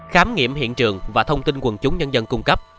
khám nghiệm hiện trường và thông tin quần chúng nhân dân cung cấp